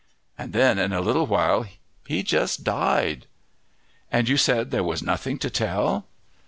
And then in a little while he just died." "And you said there was nothing to tell!"